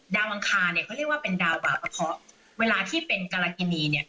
อังคารเนี่ยเขาเรียกว่าเป็นดาวบาปกระเพาะเวลาที่เป็นกรกินีเนี่ย